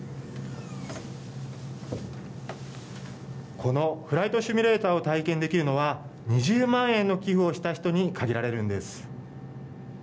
このフライトシミュレーターを体験できるのは２０万円の寄付をした人に限られるんです。